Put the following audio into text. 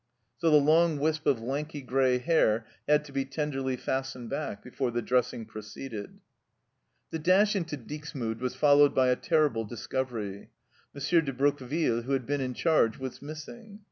So the long wisp of lanky grey hair had to be tenderly fastened back before the dressing proceeded. The dash into Dixmude was followed by a terrible discovery M. de Broqueville, who had been in charge, was missing.